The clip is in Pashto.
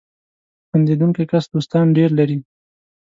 • خندېدونکی کس دوستان ډېر لري.